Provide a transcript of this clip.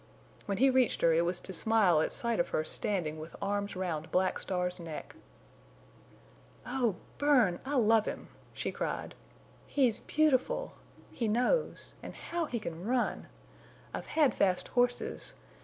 When he reached her it was to smile at sight of her standing with arms round Black Star's neck. "Oh, Bern! I love him!" she cried. "He's beautiful; he knows; and how he can run! I've had fast horses.